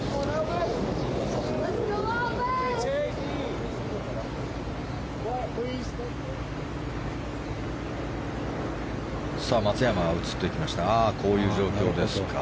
さあ、松山が映ってきましたがこういう状況ですか。